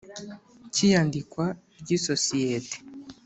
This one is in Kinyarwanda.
Cy iyandikwa ry isosiyete